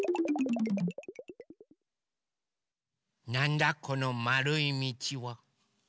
なんだこのまるいみちは？